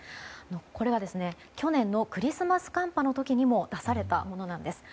これは去年のクリスマス寒波の時も出されたものです。